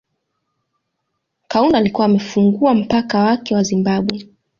Kaunda alikuwa amefungua mpaka wake na Zimbabwe